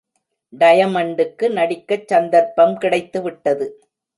டயமண்டுக்கு நடிக்கச் சந்தர்ப்பம் கிடைத்துவிட்டது.